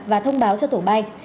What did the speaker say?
và thông báo cho tổ bay